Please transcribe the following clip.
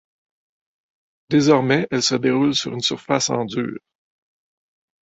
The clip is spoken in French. Désormais, elle se déroule sur une surface en dur.